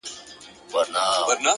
شراب نوشۍ کي مي له تا سره قرآن کړی دی،